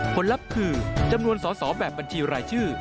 ผลลับคือจำนวนสอแบบบัญชีรายชื่อ